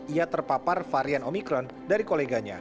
ia terpapar varian omikron dari koleganya